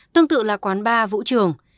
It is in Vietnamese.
tương tự là quán bar vũ trường